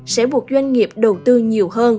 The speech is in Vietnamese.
sẽ buộc doanh nghiệp đầu tư nhiều hơn